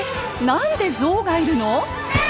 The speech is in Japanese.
何でゾウがいるの⁉